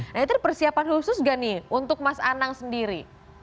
nah itu persiapan khusus nggak nih untuk mas anang sendiri